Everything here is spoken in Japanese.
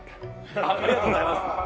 ありがとうございます！